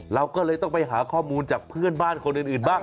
เราก็เลยต้องไปหาข้อมูลจากเพื่อนบ้านคนอื่นบ้าง